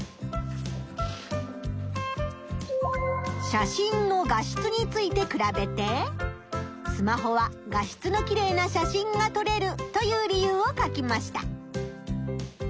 写真の画質について比べて「スマホは画質のきれいな写真がとれる」という理由を書きました。